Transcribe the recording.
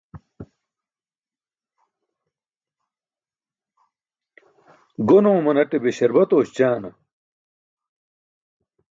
Gon oomanate be śarbat oośćana.